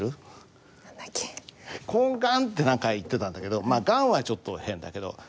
「こんがん」って何か言ってたんだけど「がん」はちょっと変だけど。